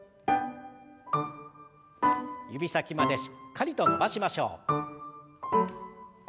指先までしっかりと伸ばしましょう。